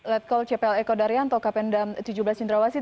let call cpl eko daryanto kpn dam tujuh belas jendrawasi